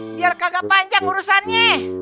biar kagak panjang urusannya